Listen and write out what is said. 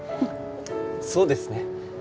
そうですね。